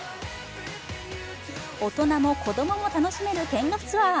大人も子供も楽しめる見学ツアー。